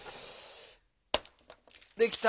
できた！